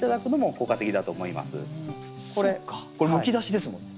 そっかこれむき出しですもんね。